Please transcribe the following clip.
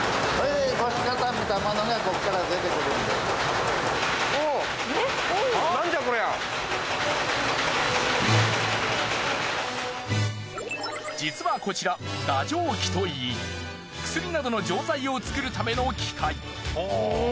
原料はこの実はこちら打錠機といい薬などの錠剤を作るための機械。